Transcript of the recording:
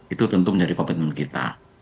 itu tentu menjadi komitmen kita